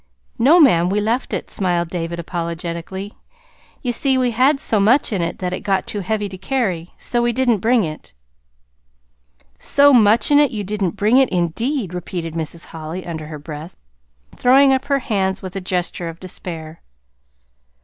"No, ma'am; we left it," smiled David apologetically. "You see, we had so much in it that it got too heavy to carry. So we did n't bring it." "So much in it you didn't bring it, indeed!" repeated Mrs. Holly, under her breath, throwing up her hands with a gesture of despair.